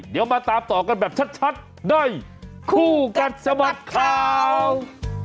เดี๋ยวมาตามต่อกันแบบชัดด้วยคู่กัศบัตรข่าว